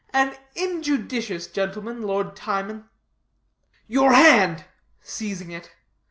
An injudicious gentleman, Lord Timon." "Your hand!" seizing it.